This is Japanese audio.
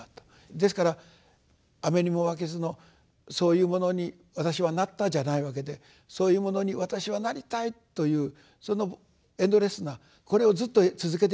ですから「雨ニモマケズ」の「そういうものに私は『なった』」じゃないわけで「そういうものに私は『なりたい』」というそのエンドレスな。これをずっと続けていきたい。